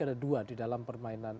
ada dua di dalam permainan